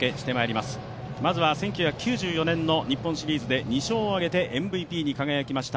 まずは１９９４年の日本シリーズで２勝を挙げてＭＶＰに輝きました